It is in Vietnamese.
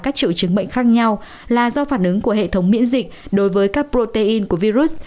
các triệu chứng bệnh khác nhau là do phản ứng của hệ thống miễn dịch đối với các protein của virus